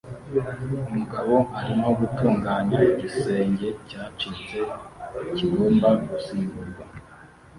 Umugabo arimo gutunganya igisenge cyacitse kigomba gusimburwa